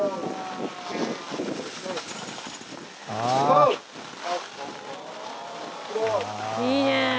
「いいね！」